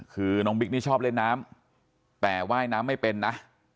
คือน้องบิ๊กนี่ชอบเล่นน้ำแต่ว่ายน้ำไม่เป็นนะ